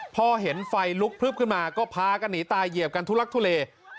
พอเห็นไฟลุกพลึบขึ้นมาก็พากันหนีตายเหยียบกันทุลักทุเล